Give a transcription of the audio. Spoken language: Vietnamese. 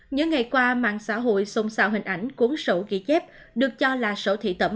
những ngày qua mạng xã hội xông xào hình ảnh cuốn sổ ghi chép được cho là sổ thị tẩm